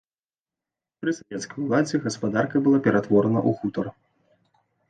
Пры савецкай уладзе гаспадарка была ператворана ў хутар.